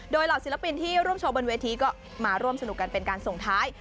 โดยเหล่าศิลปินที่ร่วมโชว์บนเวทีก็มาร่วมสนุกกันเป็นการส่งท้าย